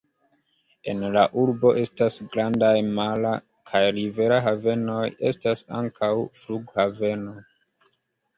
En la urbo estas grandaj mara kaj rivera havenoj; estas ankaŭ flughaveno.